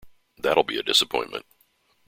That'll be a disappointment.